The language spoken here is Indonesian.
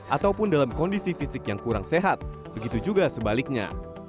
ataupun dalam kondisi fisik yang kurang sehat begitu juga sebaliknya